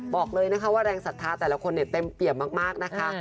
บอกเลยนะคะว่าแรงศรัทธาแต่ละคนเต็มเปี่ยมมากนะคะ